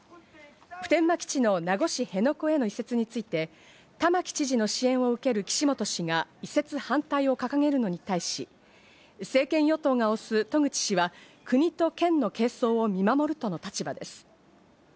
普天間基地の名護市辺野古への移設について、玉城知事の支援を受ける岸本氏が移設反対を掲げるのに対し、政権与党が推す渡具知氏は、国と県の係争を見守るとの立場です。